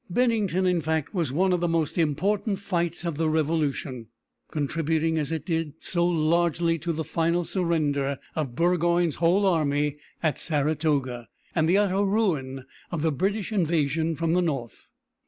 Bennington, in fact, was one of the most important fights of the Revolution, contributing as it did so largely to the final surrender of Burgoyne's whole army at Saratoga, and the utter ruin of the British invasion from the North.